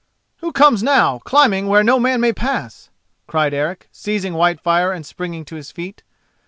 "Who comes now, climbing where no man may pass?" cried Eric, seizing Whitefire and springing to his feet.